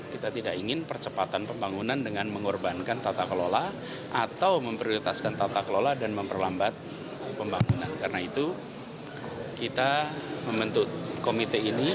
kita membentuk komite ini untuk membangun